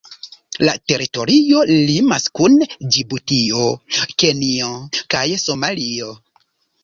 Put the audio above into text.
La teritorio limas kun Ĝibutio, Kenjo kaj Somalio.